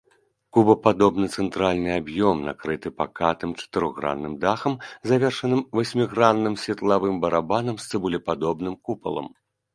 Кубападобны цэнтральны аб'ём накрыты пакатым чатырохгранным дахам, завершаным васьмігранным светлавым барабанам з цыбулепадобным купалам.